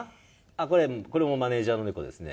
これこれもマネージャーの猫ですね。